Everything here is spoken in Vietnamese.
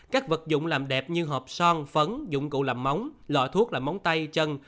các vật dụng làm đẹp như hộp son phấn dụng cụ làm móng lọ thuốc làm móng tay chân